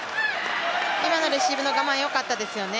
今のレシーブの我慢よかったですよね。